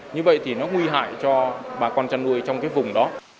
như vậy thì nó nguy hại cho bà con chăn nuôi trong cái vùng đó